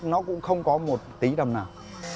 nó cũng không có một tí đầm nào